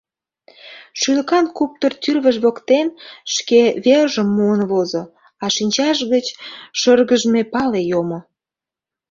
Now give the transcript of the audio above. — Шӱлыкан куптыр тӱрвыж воктен шке вержым муын возо, а шинчаж гыч шыргыжме пале йомо.